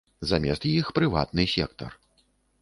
Замест іх прыватны сектар.